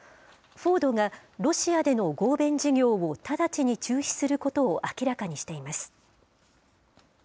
フォードがロシアでの合弁事業を直ちに中止することを明らかにしています。